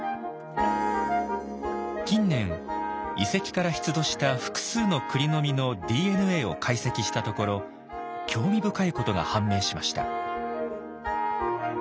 近年遺跡から出土した複数のクリの実のＤＮＡを解析したところ興味深いことが判明しました。